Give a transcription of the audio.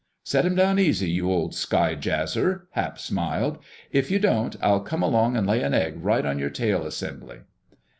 "Set 'em down easy, you old sky jazzer!" Hap smiled. "If you don't, I'll come along and lay an egg right on your tail assembly."